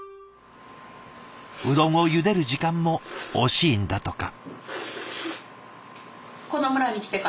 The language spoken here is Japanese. うどんをゆでる時間も惜しいんだとか。